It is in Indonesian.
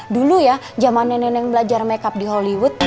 dulu ya zaman nenek neneng belajar makeup di hollywood